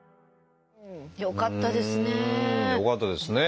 よかったですね。